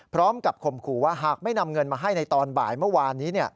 ข่มขู่ว่าหากไม่นำเงินมาให้ในตอนบ่ายเมื่อวานนี้